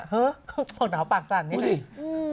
เฮ้อหนาวปากสั่นนี่นะ